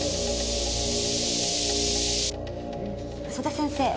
曽田先生。